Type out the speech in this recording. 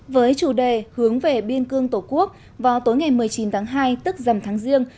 với chủ đề hướng về biên cương tổ quốc vào tối ngày một mươi chín tháng hai tức dầm tháng riêng